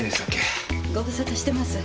ご無沙汰してます。